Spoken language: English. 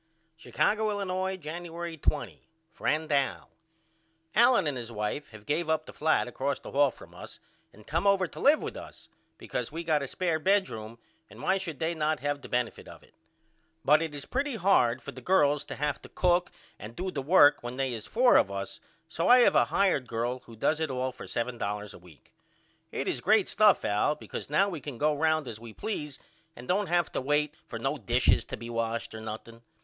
Chicago, Illinois, Januery 20. FRIEND AL: Allen and his wife have gave up the flat across the hall from us and come over to live with us because we got a spair bedroom and why should they not have the bennifit of it? But it is pretty hard for the girls to have to cook and do the work when they is four of us so I have a hired girl who does it all for $7 a week. It is great stuff Al because now we can go round as we please and don't have to wait for no dishes to be washed or nothing.